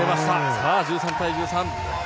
さあ、１３対１３。